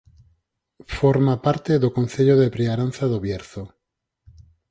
Forma parte do concello de Priaranza do Bierzo.